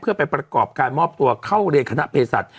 เพื่อไปประกอบการมอบตัวเข้าเรียนคณะเพศศาสต